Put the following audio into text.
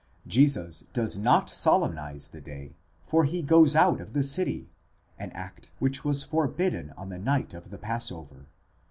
Jesus does not solemnize the day, for he goes out of the city, an act which was forbidden on the night of the passover